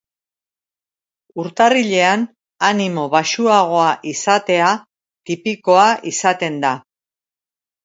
Urtarrilean animo baxuagoa izatea tipikoa izaten da.